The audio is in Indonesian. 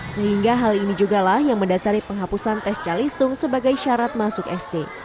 sehingga hal ini juga lah yang mendasari penghapusan tes calistung sebagai syarat masuk sd